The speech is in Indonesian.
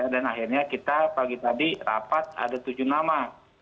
dan akhirnya kita pagi tadi rapat ada tujuh nama